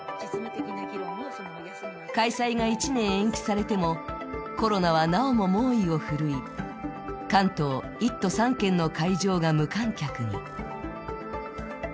開催が１年延期されてもコロナはなおも猛威を振るい関東１都３県の会場が無観客に。